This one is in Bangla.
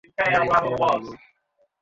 এইডা ঠিক করবো কে?